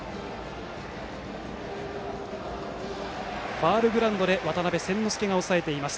ファウルグラウンドで渡邉千之亮が押さえています。